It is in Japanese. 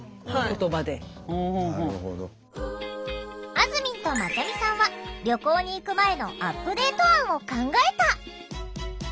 あずみんとまちゃみさんは「旅行に行く前」のアップデート案を考えた！